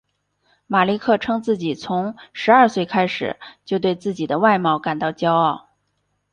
马利克称自己从十二岁开始就对自己的外貌感到骄傲。